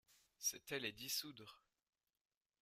C'était les dissoudre.